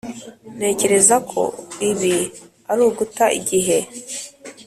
ntekereza ko ibi ari uguta igihe.